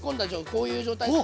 こういう状態で。